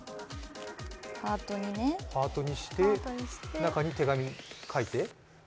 ハートにして、中に手紙書いて？